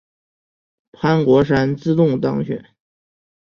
潘国山自动当选。